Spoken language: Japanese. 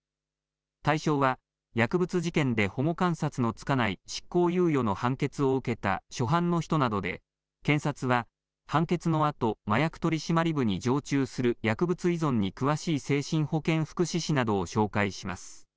対象は薬物事件で保護観察の付かない執行猶予の判決を受けた初犯の人などで検察は判決のあと麻薬取締部に常駐する薬物依存に詳しい精神保健福祉士などを紹介します。